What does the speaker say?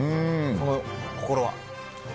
その心は。